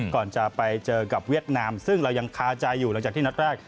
ก่อนจะไปเจอกับเวียดนามซึ่งเรายังคาใจอยู่หลังจากที่นัดแรก